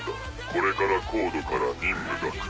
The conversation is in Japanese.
これからＣＯＤＥから任務が来る。